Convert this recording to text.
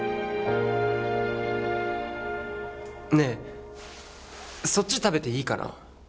ねえそっち食べていいかな？